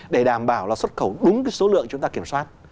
để đảm bảo là xuất khẩu đúng cái số lượng chúng ta kiểm soát